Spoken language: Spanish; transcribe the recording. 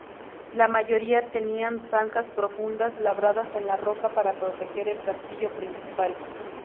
La mayoría tenían zanjas profundas labradas en la roca para proteger el castillo principal.